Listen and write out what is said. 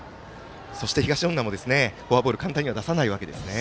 そして、東恩納もフォアボール簡単には出さないわけですね。